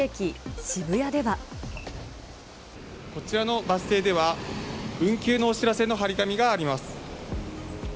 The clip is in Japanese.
こちらのバス停では、運休のお知らせの貼り紙があります。